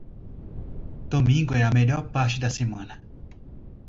Domingo é a melhor parte da semana.